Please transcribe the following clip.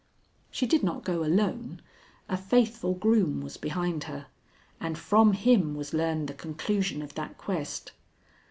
"She did not go alone. A faithful groom was behind her, and from him was learned the conclusion of that quest.